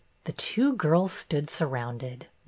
The two girls stood surrounded.